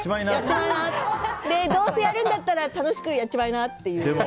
どうせやるんだったら楽しくやっちまいなって。